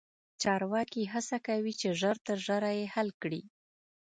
چارواکي هڅه کوي چې ژر تر ژره یې حل کړي.